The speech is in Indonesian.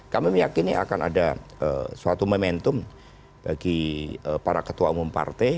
kami meyakini akan ada suatu momentum bagi para ketua umum partai